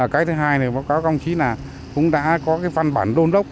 cái thứ hai này báo cáo công chí là cũng đã có văn bản đôn đốc